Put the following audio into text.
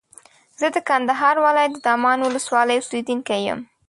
زه د کندهار ولایت د دامان ولسوالۍ اوسېدونکی یم.